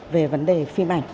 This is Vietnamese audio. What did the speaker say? về vấn đề phim ảnh